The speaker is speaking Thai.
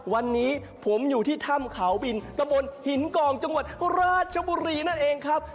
วันนี้ผมอยู่ที่ถ้ำเขาบินตะบนหินกองจังหวัดราชบุรีนั่นเองครับ